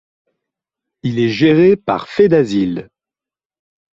Il est géré par Fedasil.